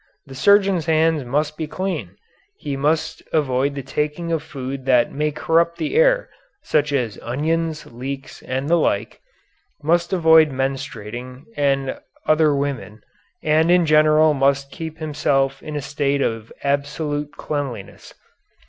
The surgeon's hands must be clean, he must avoid the taking of food that may corrupt the air, such as onions, leeks, and the like; must avoid menstruating and other women, and in general must keep himself in a state of absolute cleanliness.